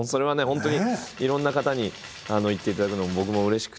本当にいろんな方に言っていただくのも僕もうれしくて。